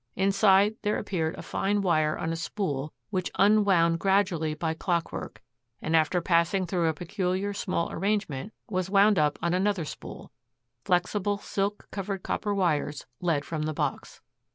Inside there appeared a fine wire on a spool which unwound gradually by clockwork, and, after passing through a peculiar small arrangement, was wound up on another spool. Flexible silk covered copper wires led from the box.